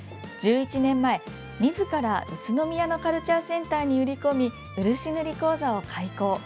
１１年前、みずから宇都宮のカルチャーセンターに売り込み漆塗り講座を開講。